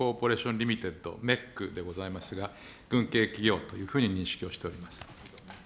リミテッド、メックでございますが、軍系企業というふうに認識をしております。